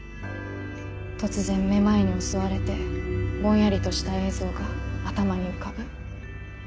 突然目まいに襲われてぼんやりとした映像が頭に浮かぶ。